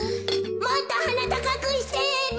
もっとはなたかくしてべ！